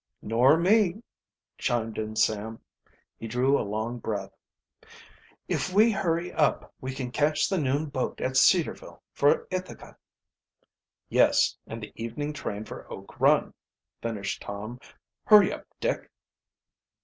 "Nor me," chimed in Sam. He drew a long breath. "If we hurry up we can catch the noon boat at Cedarville for Ithaca." "Yes, and the evening train for Oak Run," finished Tom. "Hurry up, Dick!"